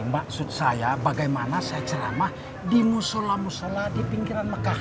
maksud saya bagaimana saya celamah di musola musola di pinggiran mekah